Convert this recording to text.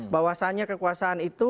bahwasannya kekuasaan itu